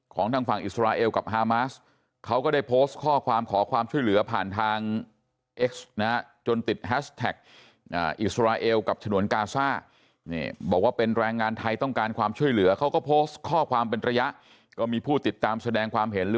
ของทางฝั่งอิสราเอลกับฮามาสเค้าก็ได้โพสต์ข้อความคอความช่วยเหลือผ่านทาง